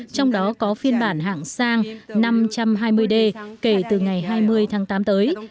trong đó có phiên bản hạng sang năm trăm hai mươi d kể từ ngày hai mươi tháng tám tới